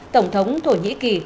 tổng thống thổ nhĩ kỳ